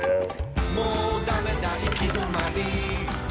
「もうだめだ行き止まり」